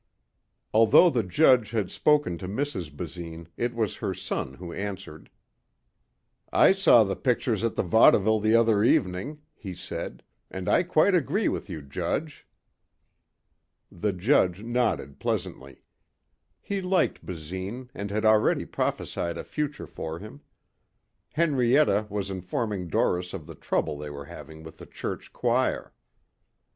Although the judge had spoken to Mrs. Basine it was her son who answered. "I saw the pictures at the vaudeville the other evening," he said, "and I quite agree with you, Judge." The judge nodded pleasantly. He liked Basine and had already prophesied a future for him. Henrietta was informing Doris of the trouble they were having with the church choir.